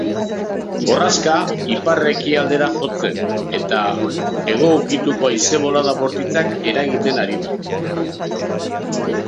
Borraska ipar-ekialdera jotzeneta hego ukituko haize-bolada bortitzak eragiten ari da.